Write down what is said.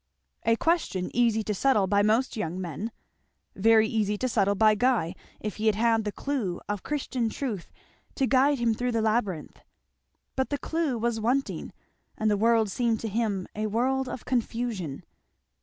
A question easy to settle by most young men! very easy to settle by Guy, if he had had the clue of Christian truth to guide him through the labyrinth. But the clue was wanting, and the world seemed to him a world of confusion.